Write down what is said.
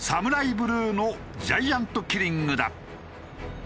ブルーのジャイアント・キリングだ。